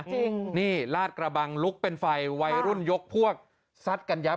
จริงนี่ลาดกระบังลุกเป็นไฟวัยรุ่นยกพวกซัดกันยับ